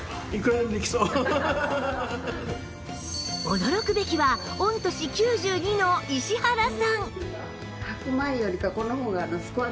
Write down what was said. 驚くべきは御年９２の石原さん